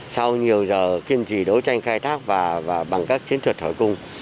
sau nhiều giờ kiên trì đấu tranh khai thác và bằng các chiến thuật hỏi cùng